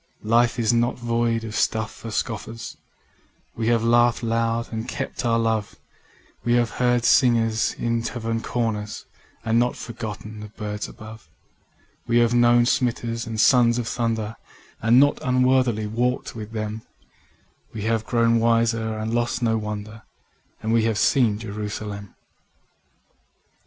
Life is not void or stuff for scorners: We have laughed loud and kept our love, We have heard singers in tavern corners And not forgotten the birds above: We have known smiters and sons of thunder And not unworthily walked with them, We have grown wiser and lost not wonder; And we have seen Jerusalem.